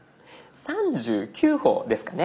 ３９歩ですかね。